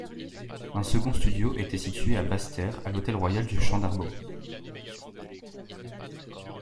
Un second studio était situé à Basse-Terre à l'Hôtel Royal du Champ d'Arbaud.